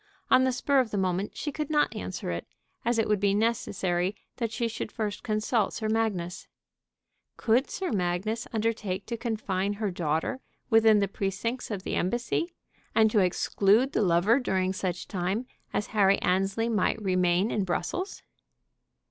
On the spur of the moment she could not answer it, as it would be necessary that she should first consult Sir Magnus. Could Sir Magnus undertake to confine her daughter within the precincts of the Embassy, and to exclude the lover during such time as Harry Annesley night remain in Brussels?